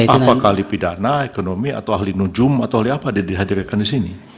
apakah ahli pidana ekonomi atau ahli nujum atau oleh apa dihadirkan di sini